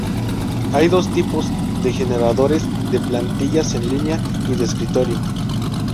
Hay dos tipos de Generadores de Plantillas: en línea y de escritorio.